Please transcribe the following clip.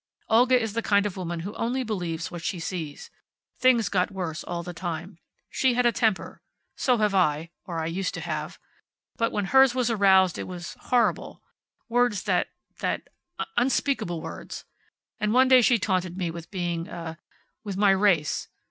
Olga is the kind of woman who only believes what she sees. Things got worse all the time. She had a temper. So have I or I used to have. But when hers was aroused it was horrible. Words that that unspeakable words. And one day she taunted me with being a with my race.